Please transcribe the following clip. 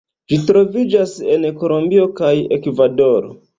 Ĝi troviĝas en Kolombio kaj Ekvadoro.